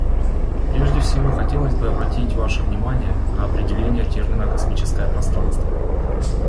Прежде всего хотелось бы обратить ваше внимание на определение термина "космическое пространство".